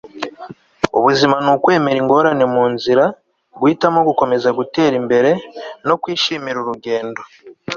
ubuzima ni ukwemera ingorane mu nzira, guhitamo gukomeza gutera imbere, no kwishimira urugendo